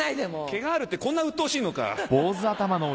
毛があるってこんなうっとうしいのか。